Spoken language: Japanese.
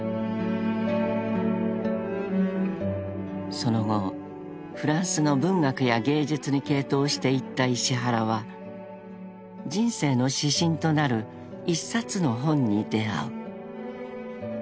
［その後フランスの文学や芸術に傾倒していった石原は人生の指針となる１冊の本に出合う］